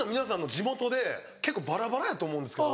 地元で結構バラバラやと思うんですけど。